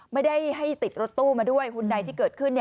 ไม่ได้ให้ติดรถตู้มาด้วยหุ่นใดที่เกิดขึ้น